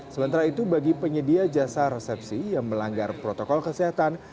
sementara itu bagi penyedia jasa resepsi yang melanggar protokol kesehatan